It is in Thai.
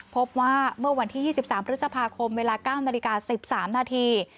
พบว่าเมื่อวันที่๒๓พฤษภาคมเวลา๙นาฬิกา๑๓นาที